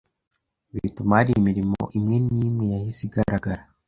bituma hari imirimo imwe n’imwe yahise ihagarara,